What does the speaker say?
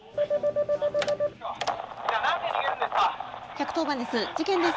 １１０番です。